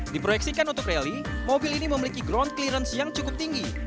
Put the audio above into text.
diproyeksikan untuk rally mobil ini memiliki ground clearance yang cukup tinggi